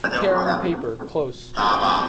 نه حاجیان او نه غازیان، داخل دې لیونو کې شم